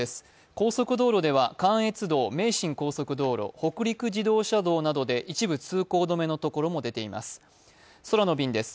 高速道路では関越道、名神高速道路北陸自動車道などで一部通行止めのところも出ています。